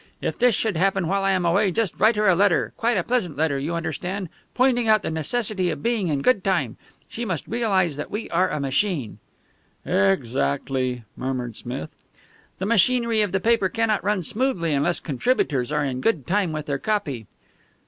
If this should happen while I am away, just write her a letter, quite a pleasant letter, you understand, pointing out the necessity of being in good time. She must realize that we are a machine." "Exactly," murmured Smith. "The machinery of the paper cannot run smoothly unless contributors are in good time with their copy."